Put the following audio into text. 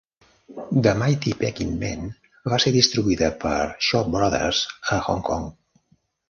"The Mighty Peking Man" va ser distribuïda per Shaw Brothers a Hong Kong.